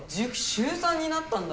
週３になったんだよ。